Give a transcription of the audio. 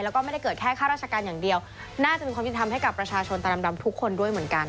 แล้วก็ไม่ได้เกิดแค่ข้าราชการอย่างเดียวน่าจะเป็นความยุติธรรมให้กับประชาชนตาดำทุกคนด้วยเหมือนกัน